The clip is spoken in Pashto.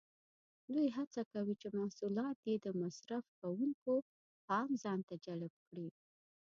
دوی هڅه کوي چې محصولات یې د مصرف کوونکو پام ځانته جلب کړي.